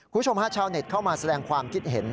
คุณผู้ชมฮะชาวเน็ตเข้ามาแสดงความคิดเห็น